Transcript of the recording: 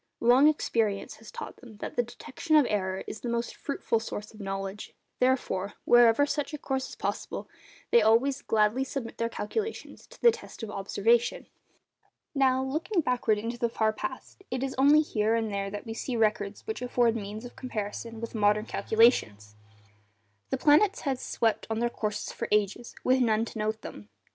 Long experience has taught them that the detection of error is the most fruitful source of knowledge; therefore, wherever such a course is possible, they always gladly submit their calculations to the test of observation. Now, looking backward into the far past, it is only here and there that we see records which afford means of comparison with modern calculations. The planets had swept on in their courses for ages with none to note them.